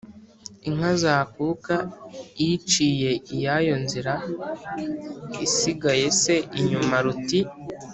inka zakuka, iciye iyayo nzira, isigaye se inyuma, ruti:"